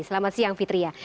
selamat siang fitria